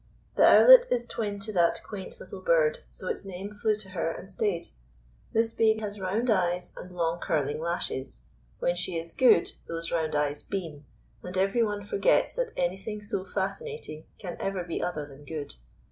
The Owlet is twin to that quaint little bird, so its name flew to her and stayed. This babe has round eyes with long curling lashes. When she is good, these round eyes beam, and every one forgets that anything so fascinating can ever be other than good.